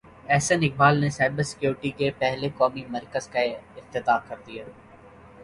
احسن اقبال نے cyber security کے پہلے قومی مرکز کا افتتاح کر دیا